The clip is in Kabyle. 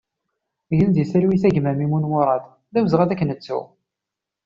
Gen di talwit a gma Mimun Murad, d awezɣi ad k-nettu!